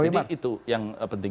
jadi itu yang penting